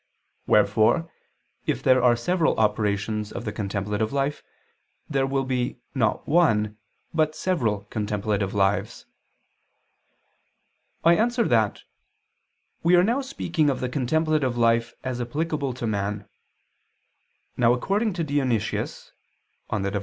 Wherefore if there are several operations of the contemplative life, there will be, not one, but several contemplative lives. I answer that, We are now speaking of the contemplative life as applicable to man. Now according to Dionysius (Div.